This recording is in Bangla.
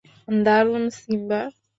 দারুণ, সিম্বা!